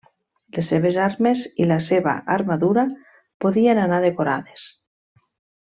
Les seves armes i la seva armadura podien anar decorades.